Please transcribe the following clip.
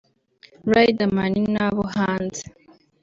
Riderman n’abo hanze